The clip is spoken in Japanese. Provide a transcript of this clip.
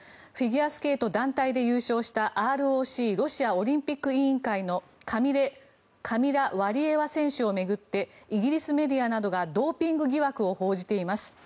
フィギュアスケート団体で優勝したＲＯＣ・ロシアオリンピック委員会のカミラ・ワリエワ選手を巡ってイギリスメディアなどがドーピング疑惑を報じています。